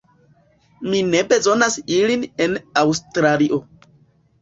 Mi ne bezonas ilin en Aŭstralio